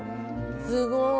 すごい。